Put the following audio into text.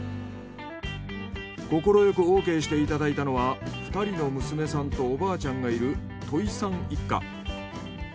快くオーケーしていただいたのは２人の娘さんとおばあちゃんがいる戸井さん一家。